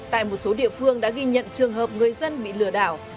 tại một số địa phương đã ghi nhận trường hợp người dân bị lừa đảo